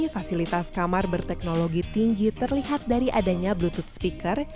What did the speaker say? fasilitas kamar berteknologi tinggi terlihat dari adanya bluetoot speaker